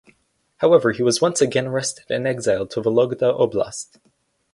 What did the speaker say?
However he was once again arrested and exiled to Vologda Oblast.